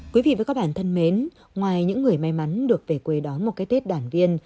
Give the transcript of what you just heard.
quý vị và các bạn thân mến ngoài những người may mắn được về quê đón một cái tết đàn viên